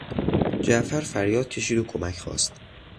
جعفر فریاد کشید و کمک خواست.